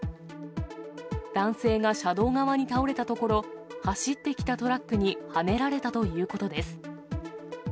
男性が車道側に倒れたところ、走ってきたトラックにはねられたということです。